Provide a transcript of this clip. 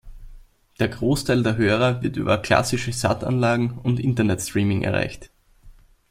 Der Großteil der Hörer wird über klassische Sat-Anlagen und Internet-Streaming erreicht.